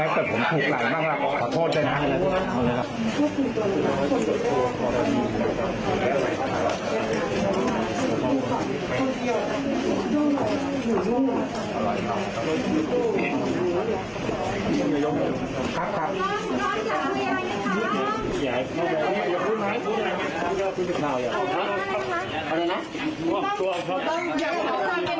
ขอคำเป็นคำไหมคะ